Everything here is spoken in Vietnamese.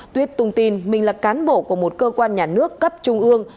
tuyết tung tin mình là cán bộ của một cơ quan nhà nước cấp trung ương